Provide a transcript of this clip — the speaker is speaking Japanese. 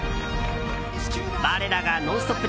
我らが「ノンストップ！」